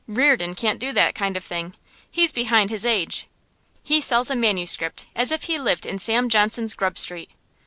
Reardon can't do that kind of thing, he's behind his age; he sells a manuscript as if he lived in Sam Johnson's Grub Street.